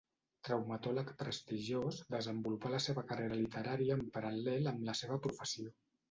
Traumatòleg prestigiós, desenvolupà la seva carrera literària en paral·lel amb la seva professió.